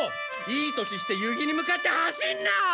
いい年して夕日に向かって走んな！